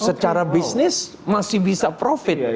secara bisnis masih bisa profit